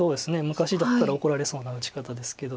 昔だったら怒られそうな打ち方ですけど。